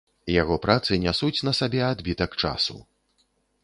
Яго працы нясуць на сабе адбітак часу.